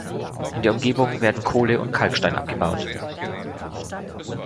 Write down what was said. In der Umgebung werden Kohle und Kalkstein abgebaut.